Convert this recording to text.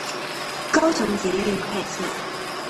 高雄捷運紅線